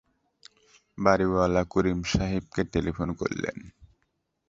বাড়িওয়ালা করিম সাহেবকে টেলিফোন করলেন।